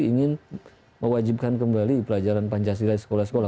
ingin mewajibkan kembali pelajaran pancasila di sekolah sekolah